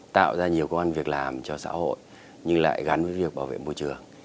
tạo ra nhiều công an việc làm cho xã hội nhưng lại gắn với việc bảo vệ môi trường